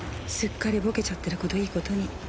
すっかりボケちゃってることをいいことに